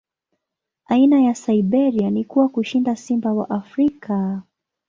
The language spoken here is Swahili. Aina ya Siberia ni kubwa kushinda simba wa Afrika.